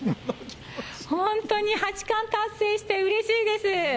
本当に八冠達成してうれしいです。